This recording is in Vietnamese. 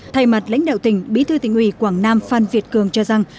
thay mặt lãnh đạo tỉnh bí thư tỉnh ủy quảng nam phan việt cường cho rằng